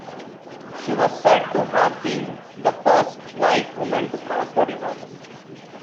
She was said to have been the first white woman to cross the river.